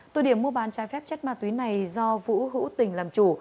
tụ điểm mua bán trái phép chất ma túy này do vũ hữu tình làm chủ